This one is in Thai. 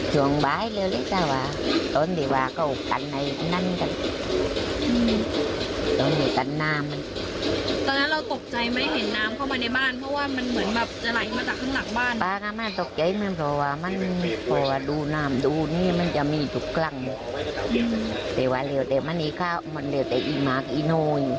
ตอนนี้เราตกใจไม่เห็นน้ำเข้ามาในบ้านเพราะว่ามันเหมือนแบบจะไหลมาจากข้างหลังบ้าน